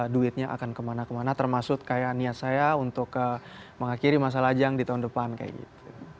duitnya akan kemana kemana termasuk kayak niat saya untuk mengakhiri masalah ajang di tahun depan kayak gitu